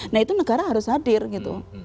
nah itu negara harus hadir gitu